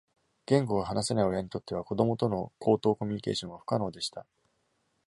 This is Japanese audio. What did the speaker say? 言語が話せない親にとっては、子供との口頭コミュニケーションは不可能でした。